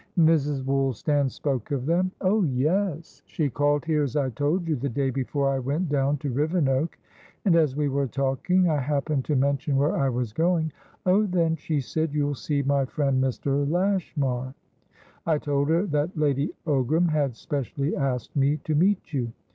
"Mrs. Woolstan spoke of them?" "Oh, yes! She called here, as I told you, the day before I went down to Rivenoak, and, as we were talking, I happened to mention where I was going. 'Oh then,' she said, 'you'll see my friend Mr. Lashmar!' 'I told her that Lady Ogram had specially asked me to meet you.'